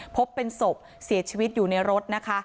พบเป็นศพเสียชีวิตอยู่ในรถนะคะ